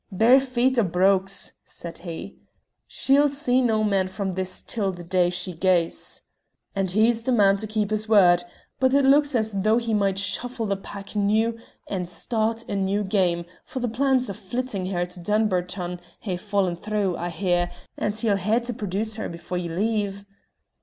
'Barefit or brogues,' said he, 'she'll see no man from this till the day she gaes!' And he's the man to keep his word; but it looks as though we might shuffle the pack noo and start a new game, for the plans o' flittin' her to Dunbarton hae fallen through, I hear, and he'll hae to produce her before ye leave."